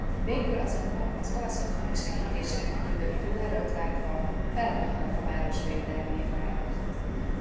Végül azonban az olaszok megsegítésére küldött túlerőt látva felhagytak a város védelmével.